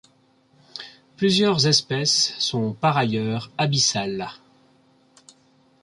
Plusieurs espèces sont par ailleurs abyssales.